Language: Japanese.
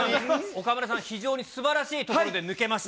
岡村さん、非常にすばらしいところで抜けました。